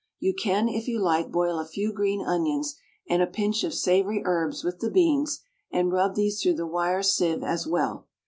You can if you like boil a few green onions and a pinch of savoury herbs with the beans, and rub these through the wire sieve as well.